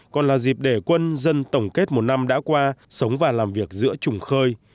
còn là dịp để quân dân tổng kết một năm đã qua sống và làm việc giữa trùng khơi